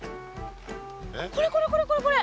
これこれこれこれこれ。